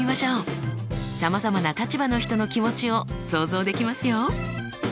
さまざまな立場の人の気持ちを想像できますよ。